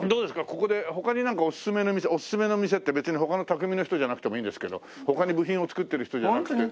ここで他になんかおすすめの店おすすめの店って別に他の匠の人じゃなくてもいいんですけど他に部品を作ってる人じゃなくて。